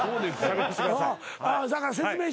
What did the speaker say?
だから説明してくれ。